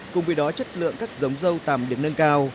cùng với đó chất lượng các giống dâu tầm được nâng cao